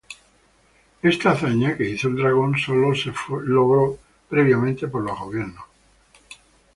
Esta hazaña que hizo el Dragón solo fue lograda previamente por los gobiernos.